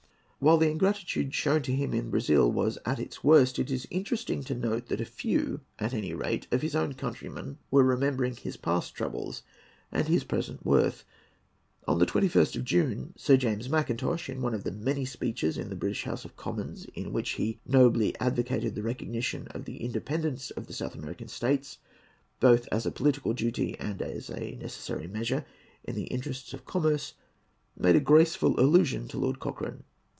While the ingratitude shown to him in Brazil was at its worst it is interesting to notice that a few, at any rate, of his own countrymen were remembering his past troubles and his present worth. On the 21st of June, Sir James Mackintosh, in one of the many speeches in the British House of Commons in which he nobly advocated the recognition of the independence of the South American states, both as a political duty and as a necessary measure in the interests of commerce, made a graceful allusion to Lord Cochrane.